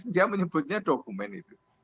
dia menyebutnya dokumen itu